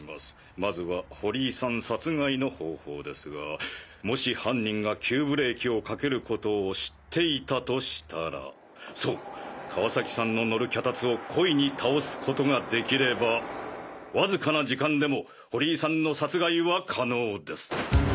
まずは堀井さん殺害の方法ですがもし犯人が急ブレーキをかけることを知っていたとしたらそう川崎さんの乗る脚立を故意に倒すことができればわずかな時間でも堀井さんの殺害は可能です。